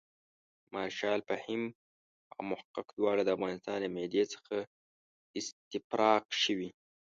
مارشال فهیم او محقق دواړه د افغانستان له معدې څخه استفراق شوي.